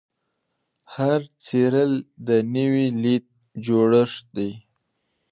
هر څیرل د نوې لید جوړښت دی.